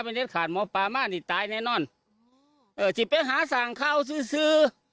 เด็ดขาดหมอปลามานี่ตายแน่นอนเออที่ไปหาสั่งข้าวซื้อซื้อ